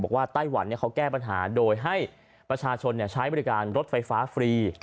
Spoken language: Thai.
บอกว่าไต้หวันเนี่ยเขาแก้ปัญหาโดยให้ประชาชนเนี่ยใช้บริการรถไฟฟ้าฟรี